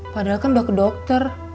padahal kan udah ke dokter